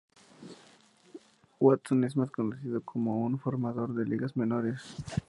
Watson es más conocido como un formador de ligas menores.